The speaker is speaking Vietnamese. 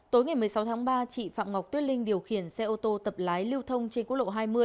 tối ngày một mươi sáu tháng ba chị phạm ngọc tuyết linh điều khiển xe ô tô tập lái lưu thông trên quốc lộ hai mươi